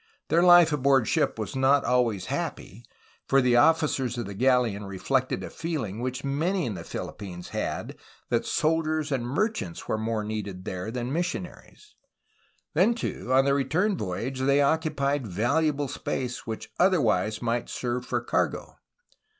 Their life aboard ship was not always happy, for the officers of the galleon reflected a feeUng which many in the Philip 90' A HISTORY OF CALIFORNIA pines had that soldiers and merchants were more needed there than missionaries. Then, too, on the return voyage they occupied valuable space which otherwise might serve for cargo